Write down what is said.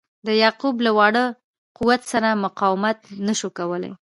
د یعقوب له واړه قوت سره مقاومت نه سو کولای.